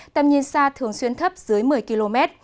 tầm nhìn xa thường xuyên thấp dưới một mươi km